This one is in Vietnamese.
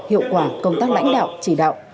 hiệu quả công tác lãnh đạo chỉ đạo